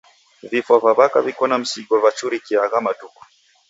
Vifwa va w'aka w'iko na misigo vachurukie agha matuku.